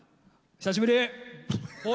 久しぶり！